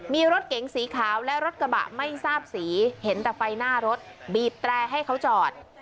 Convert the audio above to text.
มีรถเก๋งสีขาวและรถกระบะไม่ทราบสีเห็นแต่ไฟหน้ารถบีบแตรให้เขาจอด